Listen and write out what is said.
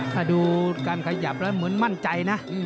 ถ้าดูการขยับแล้วเหมือนมั่นใจนะ